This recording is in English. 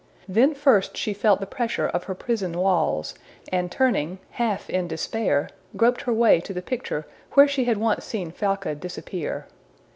Then first she felt the pressure of her prison walls, and turning, half in despair, groped her way to the picture where she had once seen Falca disappear.